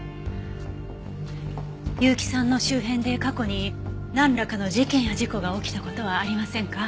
結城さんの周辺で過去になんらかの事件や事故が起きた事はありませんか？